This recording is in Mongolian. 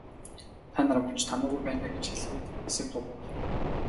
Та нар мөн ч томоогүй байна даа гэж хэлээд хэсэг дуугүй болов.